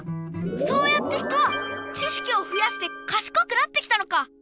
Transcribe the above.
そうやって人は知識をふやしてかしこくなってきたのか！